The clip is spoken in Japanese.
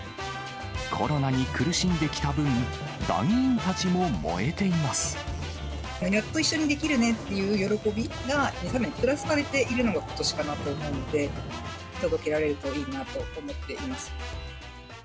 コロナに苦しんできた分、やっと一緒にできるねっていう喜びが、さらにプラスされているのが、ことしかなと思うので、届けられるといいなと思っています。